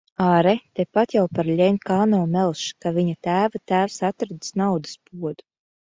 Āre, tepat jau par Ļenkano melš, ka viņa tēva tēvs atradis naudas podu.